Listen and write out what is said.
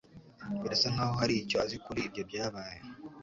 Birasa nkaho hari icyo azi kuri ibyo byabaye.